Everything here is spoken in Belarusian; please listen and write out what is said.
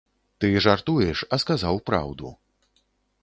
Ты жартуеш, а сказаў праўду.